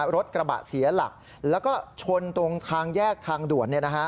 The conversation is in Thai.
รถกระบะเสียหลักแล้วก็ชนตรงทางแยกทางด่วน